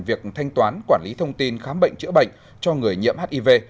việc thanh toán quản lý thông tin khám bệnh chữa bệnh cho người nhiễm hiv